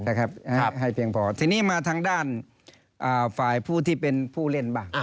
ให้เพียงพอทีนี้มาทางด้านฝ่ายผู้ที่เป็นผู้เล่นบ้าง